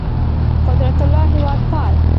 قدرت الله هېوادپال